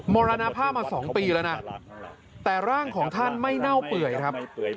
มรณภาพมา๒ปีแล้วนะแต่ร่างของท่านไม่เน่าเปื่อยครับ